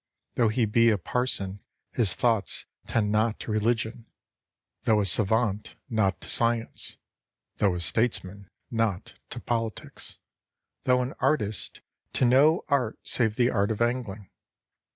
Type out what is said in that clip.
Though he be a parson, his thoughts tend not to religion; though a savant, not to science; though a statesman, not to politics; though an artist, to no art save the art of angling.